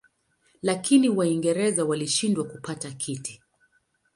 Lakini Waingereza walishindwa kupata kiti.